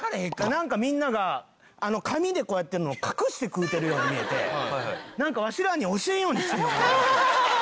なんかみんなが紙でこうやってるのを隠して食うてるように見えてなんかわしらに教えんようにしてるのかな。